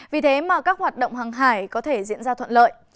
vì thế mà các hoạt động hàng hải có thể diễn ra thuận lợi